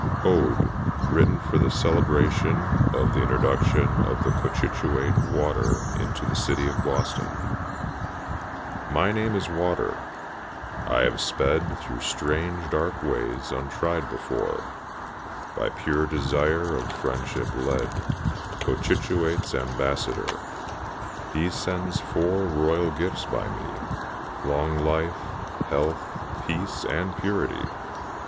ODE WRITTEN FOR THE CELEBRATION OF THE INTRODUCTION OF THE COCHITUATE WATER INTO THE CITY OF BOSTON. My name is Water: I have sped Through strange, dark ways, untried before, By pure desire of friendship led, Cochituate's ambassador; He sends four royal gifts by me: Long life, health, peace, and purity.